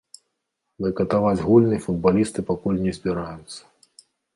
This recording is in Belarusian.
Байкатаваць гульні футбалісты пакуль не збіраюцца.